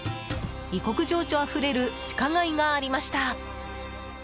異国情緒あふれる地下街がありました。